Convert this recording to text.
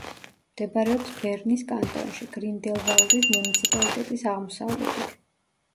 მდებარეობს ბერნის კანტონში, გრინდელვალდის მუნიციპალიტეტის აღმოსავლეთით.